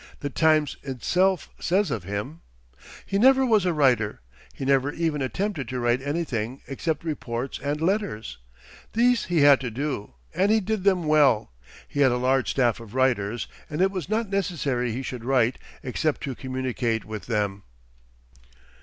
"The Times" itself says of him: "He never was a writer. He never even attempted to write anything, except reports and letters. These he had to do, and he did them well. He had a large staff of writers, and it was not necessary he should write, except to communicate with them."